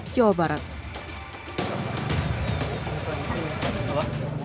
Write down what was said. jangan lupa like share dan subscribe ya